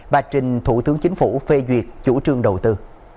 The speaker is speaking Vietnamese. và trình thủ tướng chính phủ phê duyệt chủ trương đầu tư